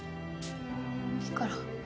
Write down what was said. いいから。